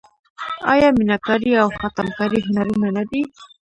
آیا میناکاري او خاتم کاري هنرونه نه دي؟